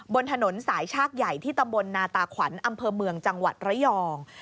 บนถนนสายชากใหญ่ที่ตำบลนาตาขวัญอำเภอเมืองจังหวัดระยอง